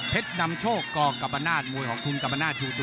เพชรน้ำโชคกกรมนาศมวยของคุณกรมนาศ